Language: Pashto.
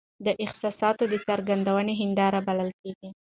د احساساتو د څرګندوني هنداره بلل کیږي .